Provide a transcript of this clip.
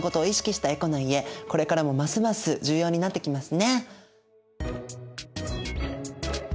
これからもますます重要になってきますね。